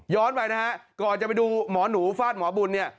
ย้อนไปนะครับก่อนจะไปดูหมอหนูฟาดหมอบุญ